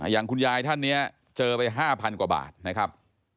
อย่างคุณยายท่านนี้เจอไป๕๐๐กว่าบาทนะครับ